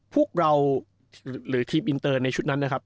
พวกเราหรือทีมอินเตอร์ในชุดนั้นนะครับ